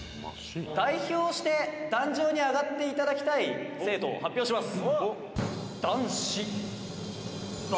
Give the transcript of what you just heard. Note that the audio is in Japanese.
「代表して壇上に上がっていただきたい生徒を発表します」